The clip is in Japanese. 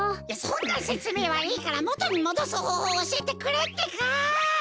いやそんなせつめいはいいからもとにもどすほうほうをおしえてくれってか！